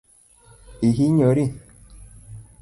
Ihinyori?